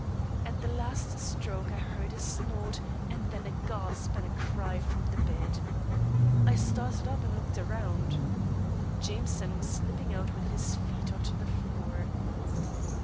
At the last stroke I heard a snort and then a gasp and a cry from the bed. I started up, and looked round. Jameson was slipping out with his feet onto the floor.